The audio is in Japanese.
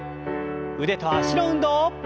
腕と脚の運動。